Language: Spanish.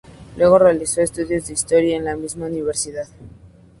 Luego realizó estudios de Historia en la misma Universidad.